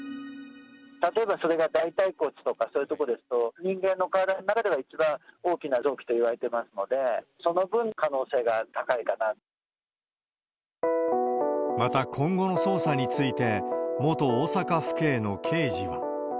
例えば、それが大たい骨とかそういうところですと、人間の体の中では一番大きな臓器といわれてますので、その分、また、今後の捜査について、元大阪府警の刑事は。